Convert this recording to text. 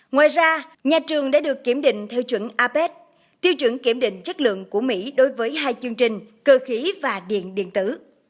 ngoài ra nhà trường đã được kiểm định theo chuẩn apec tiêu chuẩn kiểm định chất lượng của mỹ đối với hai chương trình cơ khí và điện điện tử